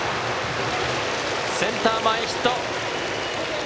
センター前ヒット。